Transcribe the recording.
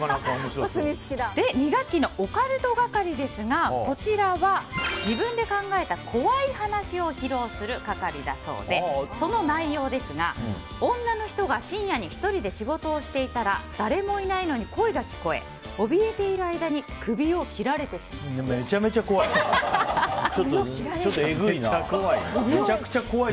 ２学期のオカルト係ですがこちらは自分で考えた怖い話を披露する係だそうでその内容ですが女の人が深夜に１人で仕事をしていたら誰もいないのに声が聞こえおびえている間にめちゃめちゃ怖い。